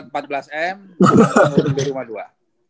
gue mau beli rumah dua